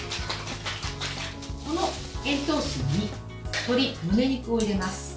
この塩糖水に鶏むね肉を入れます。